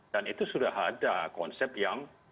dan itu sudah ada konsep yang